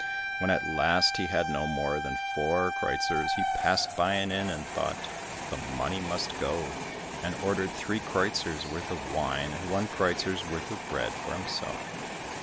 When at last he had no more than four kreuzers, he passed by an inn and thought, "The money must go," and ordered three kreuzers' worth of wine and one kreuzer's worth of bread for himself.